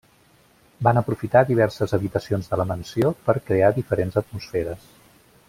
Van aprofitar diverses habitacions de la mansió per crear diferents atmosferes.